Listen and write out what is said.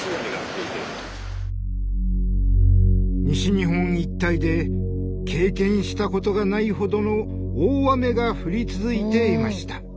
西日本一帯で経験したことがないほどの大雨が降り続いていました。